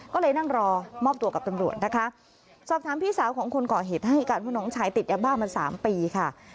ก็เลยนั่งรอมอบตัวกับตำรวจนะคะสอบถามพี่สาวของคนก่อเหตุให้การว่าน้องชายติดยาบ้ามาสามปีค่ะ